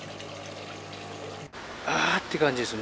「ああ」って感じですね。